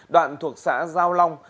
đoạn thuộc xã giao long